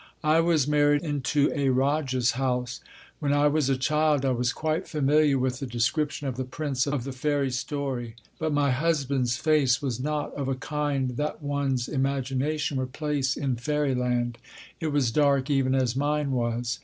I was married into a Rajah's house. When I was a child, I was quite familiar with the description of the Prince of the fairy story. But my husband's face was not of a kind that one's imagination would place in fairyland. It was dark, even as mine was.